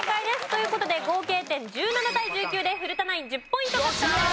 という事で合計点１７対１９で古田ナイン１０ポイント獲得です。